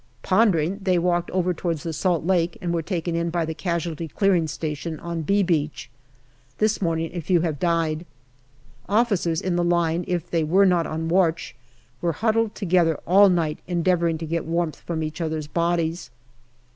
Pondering, they walked over towards the Salt Lake and were taken in by the casualty clearing station on " B " Beach. This morning a few have died. Officers in the line, if they were not on watch, were huddled together all night en deavouring to get warmth from each other's bodies.